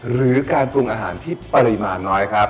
หรือการปรุงอาหารที่ปริมาณน้อยครับ